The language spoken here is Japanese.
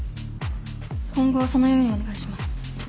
今後はそのようにお願いします。